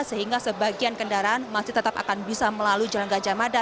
sehingga sebagian kendaraan masih tetap akan bisa melalui jalan gajah mada